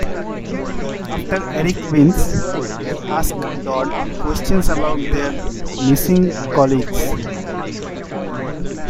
After Eric wins, he asks Dodd questions about their missing colleagues.